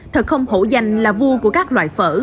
thật không hổ danh là vua của các loại phở